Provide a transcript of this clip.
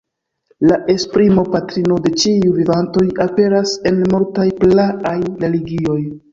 La esprimo "patrino de ĉiuj vivantoj" aperas en multaj praaj religioj.